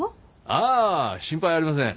ああ心配ありません。